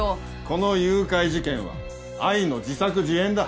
この誘拐事件は愛の自作自演だ。